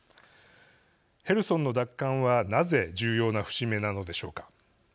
ヘルソンの奪還はなぜ重要な節目なのでしょうか。